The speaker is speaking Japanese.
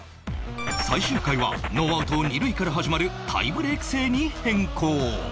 最終回はノーアウト二塁から始まるタイブレーク制に変更